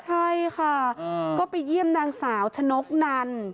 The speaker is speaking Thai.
ใช่ค่ะก็ไปเยี่ยมนางสาวชนกนัน